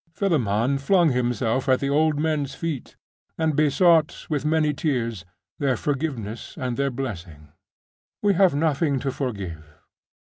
Philammon flung himself at the old men's feet, and besought, with many tears, their forgiveness and their blessing.'We have nothing to forgive.